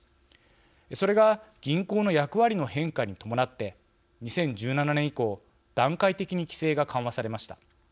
それが銀行の役割の変化に伴って２０１７年以降段階的に規制が緩和されました。